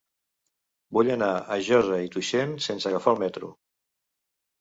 Vull anar a Josa i Tuixén sense agafar el metro.